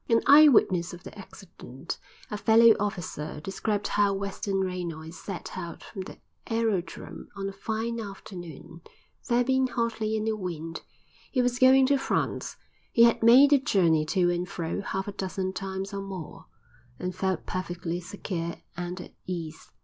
An eye witness of the accident, a fellow officer, described how Western Reynolds set out from the aerodrome on a fine afternoon, there being hardly any wind. He was going to France; he had made the journey to and fro half a dozen times or more, and felt perfectly secure and at ease.